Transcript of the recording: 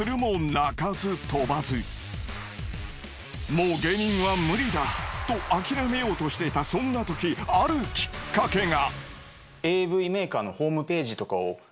もう芸人は無理だと諦めようとしていたそんなときあるキッカケが。